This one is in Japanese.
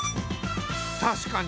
確かに。